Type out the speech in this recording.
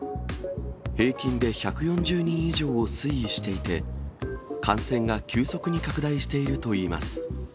平均で１４０人以上を推移していて、感染が急速に拡大しているといいます。